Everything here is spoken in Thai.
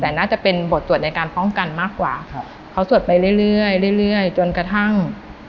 แต่น่าจะเป็นบทสวดในการป้องกันมากกว่าครับเขาสวดไปเรื่อยเรื่อยจนกระทั่ง